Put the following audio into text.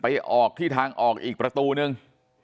ออกที่ทางออกอีกประตูนึง